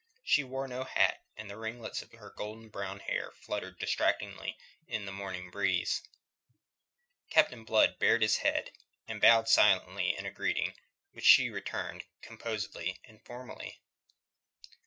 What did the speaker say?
She wore no hat, and the ringlets of her gold brown hair fluttered distractingly in the morning breeze. Captain Blood bared his head and bowed silently in a greeting which she returned composedly and formally.